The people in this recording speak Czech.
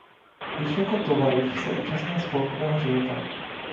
Již jako tovaryš se účastnil spolkového života.